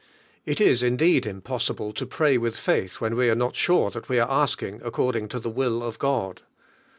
It is indeed impossible to pray with faith when we are not sure that we are asking according to the will of God.